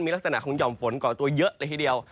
มีลักษณะของหย่อมฝนก่อตัวเยอะเลยทีเดียว